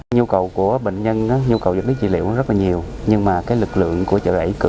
nhu cầu của bệnh nhân nhu cầu giảm điếc trị liệu rất nhiều nhưng mà lực lượng của chợ rẫy cử